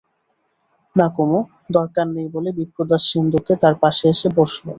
না কুমু, দরকার নেই বলে বিপ্রদাস সিন্দুকে তার পাশে এসে বসল।